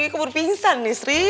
kebur pingsan nih istri